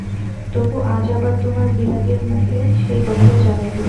তবু আজ আবার তোমার বিরাগের মুখে সেই কথাই জানাইতেছি।